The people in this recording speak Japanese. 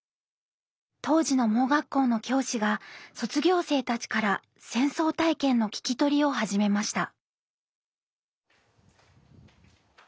当時の盲学校の教師が卒業生たちから戦争体験の聞き取りを始めました。